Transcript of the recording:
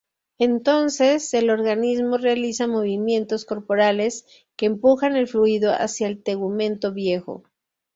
Entonces, el organismo realiza movimientos corporales que empujan el fluido hacia el tegumento viejo.